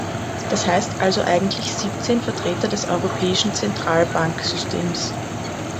Das heißt also eigentlich siebzehn Vertreter des Europäischen Zentralbanksystems.